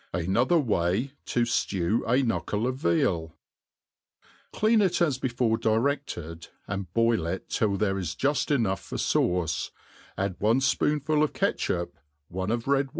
Another way^ to Jlew a Knuckle of Veal. CLEAN it as before direAed, and boil it till there is juft enough for fauce, add one fpoonful of catch up, one of red winc^ MADE PLAIN AND EASY.